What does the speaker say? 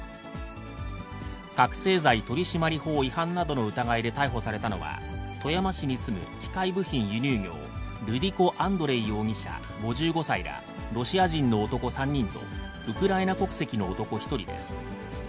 覚醒剤取締法違反などの疑いで逮捕されたのは、富山市に住む機械部品輸入業、ルディコ・アンドレイ容疑者５５歳ら、ロシア人の男３人とウクライナ国籍の男１人です。